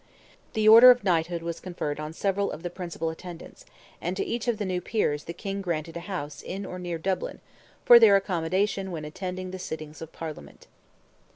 The order of Knighthood was conferred on several of the principal attendants, and to each of the new peers the King granted a house in or near Dublin, for their accommodation, when attending the sittings of Parliament.